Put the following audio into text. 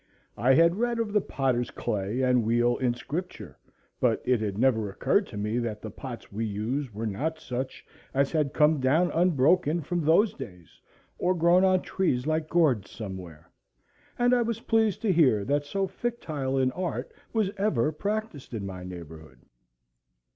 I had read of the potter's clay and wheel in Scripture, but it had never occurred to me that the pots we use were not such as had come down unbroken from those days, or grown on trees like gourds somewhere, and I was pleased to hear that so fictile an art was ever practiced in my neighborhood.